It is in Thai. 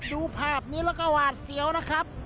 ดูภาพนี้แล้วก็หวาดเสียวนะครับ